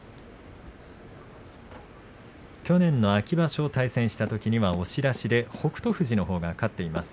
去年の秋場所対戦したときには、押し出しで北勝富士が勝っています。